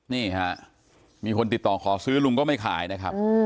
นี่ฮะมีคนติดต่อขอซื้อลุงก็ไม่ขายนะครับ